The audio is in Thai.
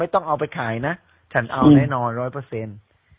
ต้องเอาไปขายนะฉันเอาแน่นอนร้อยเปอร์เซ็นต์